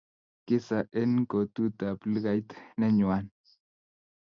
Kisa en kotut ab lukait ne nywan